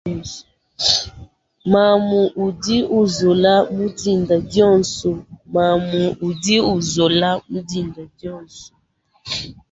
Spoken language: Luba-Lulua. Mamu udi unzula mudinda dionso.